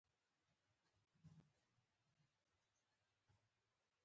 امان الله خان په هېواد کې تعلیم عام کړ.